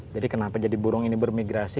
kenapa jadi burung ini bermigrasi